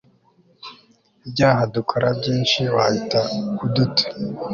ibyaha dukora byinshi wahita uduta